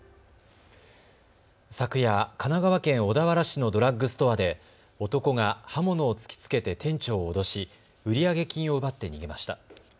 昨夜、神奈川県小田原市のドラッグストアで男が刃物を突きつけて店長を脅し売上金を奪って逃げました。